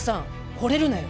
ほれるなよ。